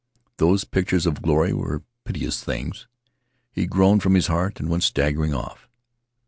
Those pictures of glory were piteous things. He groaned from his heart and went staggering off.